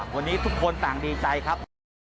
วันนี้ทุกคนต่างดีใจครับ